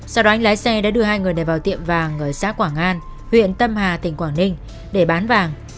sau đó lái xe đã đưa hai người này vào tiệm vàng ở xã quảng an huyện tâm hà tỉnh quảng ninh để bán vàng